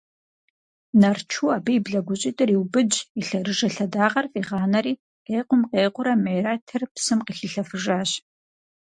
Нарчу абы и блэгущӀитӀыр иубыдщ, и лъэрыжэ лъэдакъэр фӀигъанэри къекъум къекъуурэ Мерэтыр псым къыхилъэфыжащ.